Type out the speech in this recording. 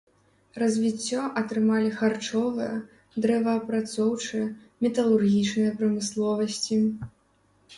Развіццё атрымалі харчовая, дрэваапрацоўчая, металургічная прамысловасці.